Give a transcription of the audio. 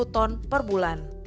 enam puluh ton per bulan